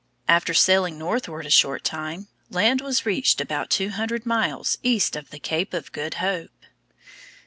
After sailing northward a short time, land was reached about two hundred miles east of the Cape of Good Hope.